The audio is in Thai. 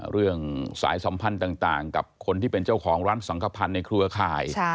เรื่องสายสัมพันธ์ต่างกับคนที่เป็นเจ้าของร้านสังขพันธ์ในเครือข่าย